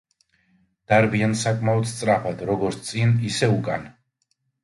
დარბიან საკმაოდ სწრაფად როგორც წინ, ისე უკან.